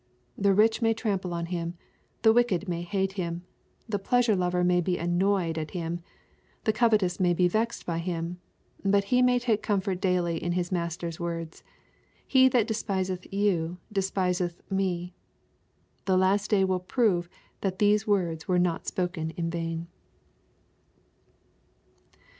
The rich may trample on him. The wicked may hate him. The pleasure lover may be annoyed at him. The covetous may be vexed by him. But he may take comfort daily in His Master's words, "He that despiseth you despiseth me." The last day will prove that these words were not spoken in vain.